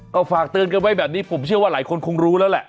ก็ฝากเตือนกันไว้แบบนี้ผมเชื่อว่าหลายคนคงรู้แล้วแหละ